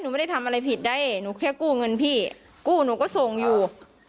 ไม่ได้ทำอะไรผิดได้หนูแค่กู้เงินพี่กู้หนูก็ส่งอยู่